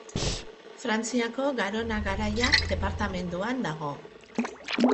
Frantziako Garona Garaia departamenduan dago.